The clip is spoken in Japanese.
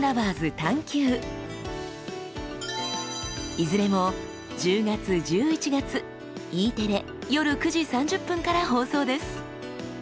いずれも１０月１１月Ｅテレ夜９時３０分から放送です。